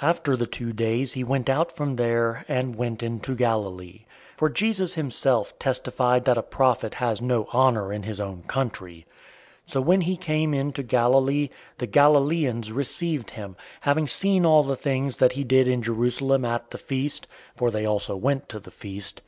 004:043 After the two days he went out from there and went into Galilee. 004:044 For Jesus himself testified that a prophet has no honor in his own country. 004:045 So when he came into Galilee, the Galileans received him, having seen all the things that he did in Jerusalem at the feast, for they also went to the feast.